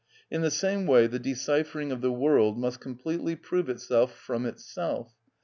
In the same way the deciphering of the world must completely prove itself from itself.